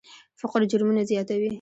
فقر جرمونه زیاتوي.